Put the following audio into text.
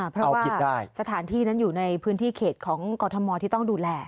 เพราะว่าสถานที่นั้นอยู่ในพื้นที่เขตของกรทมที่ต้องดูแล